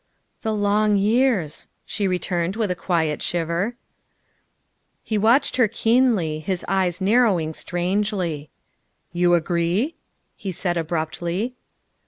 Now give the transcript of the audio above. " The long years," she returned with a slight shiver. He watched her keenly, his eyes narrowing strangely. " You agree?" he said abruptly.